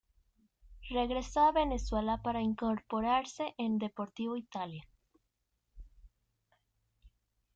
Regresó a Venezuela para incorporarse en Deportivo Italia.